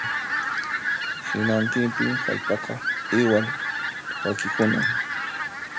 Hinantinpin hallp'aqa iwal rakikunan